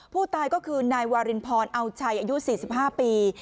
ผู้ตายก็คือนายวารินพรเอาชัยอายุ๔๕ปี